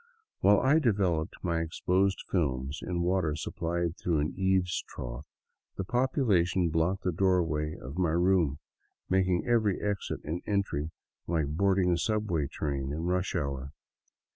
While I developed my exposed films in water supplied by an eavestrough, the population blocked the doorway of my " room," making every exit and entry like boarding a subway train in the rush hour.